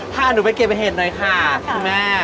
พาหนูไปเก็บเห็ดหน่อยค่ะคุณแม่